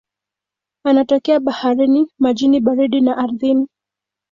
Wanatokea baharini, majini baridi na ardhini.